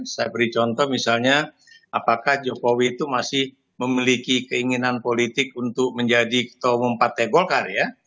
saya beri contoh misalnya apakah jokowi itu masih memiliki keinginan politik untuk menjadi ketua umum partai golkar ya